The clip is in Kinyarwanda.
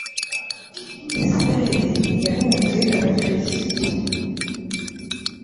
israheli yahunze abafilisiti